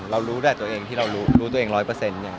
เรารู้แบบตัวเองที่เรารู้ตัวเองร้อยเปอร์เซ็นต์